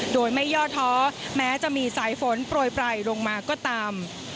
โดยไม่ย่อท้อแม้จะมีสายฝนโปรยปลายลงมาก็ตาม